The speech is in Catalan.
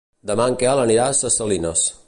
Demà en Quel anirà a Ses Salines.